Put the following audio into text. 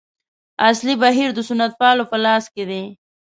اصلي بهیر د سنتپالو په لاس کې دی.